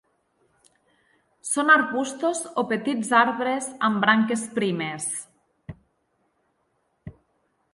Són arbustos o petits arbres amb branques primes.